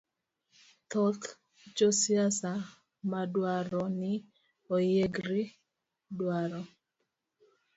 Thoth josiasa madwaro ni oyiergi, dwaro